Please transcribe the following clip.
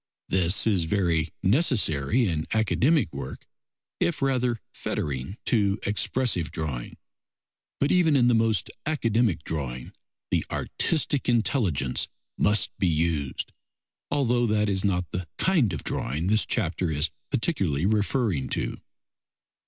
This is very necessary in academic work, if rather fettering to expressive drawing; but even in the most academic drawing the artistic intelligence must be used, although that is not the kind of drawing this chapter is particularly referring to.